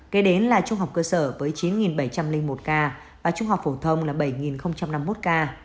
kế đến là trung học cơ sở với chín bảy trăm linh một ca và trung học phổ thông là bảy năm mươi một ca